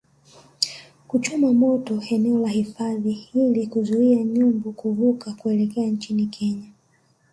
kuchoma moto eneo la hifadhi ili kuzuia nyumbu kuvuka kuelekea nchini Kenya